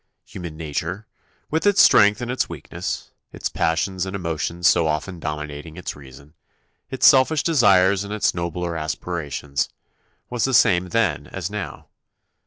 Human nature, with its strength and its weakness, its passions and emotions so often dominating its reason, its selfish desires and its nobler aspirations, was the same then as now.